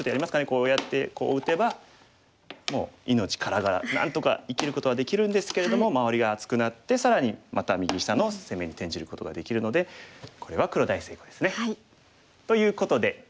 こうやってこう打てばもう命からがらなんとか生きることはできるんですけれども周りが厚くなって更にまた右下の攻めに転じることができるのでこれは黒大成功ですね。ということで。